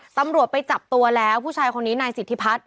ตำรวจไปจับตัวแล้วผู้ชายคนนี้นายสิทธิพัฒน